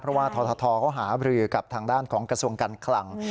เพราะว่าททเขาหาบรือกับทางด้านของกระทรวงการคลัง